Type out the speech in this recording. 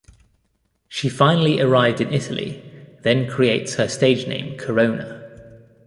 She finally arrived in Italy, then creates her stage name Corona.